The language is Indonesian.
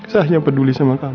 saya peduli sama kamu